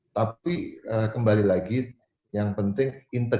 tapi kembali lagi yang penting integrasi